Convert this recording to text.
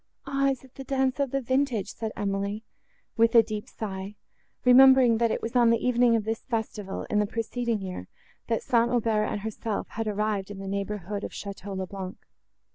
"Ah! is it the dance of the vintage?" said Emily, with a deep sigh, remembering, that it was on the evening of this festival, in the preceding year, that St. Aubert and herself had arrived in the neighbourhood of Château le Blanc.